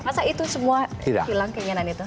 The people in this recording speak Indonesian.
masa itu semua hilang keinginan itu